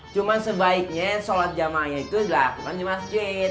cuma sebaiknya sholat jamaahnya itu dilakukan di masjid